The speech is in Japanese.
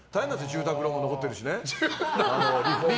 住宅ローンも残ってるしね。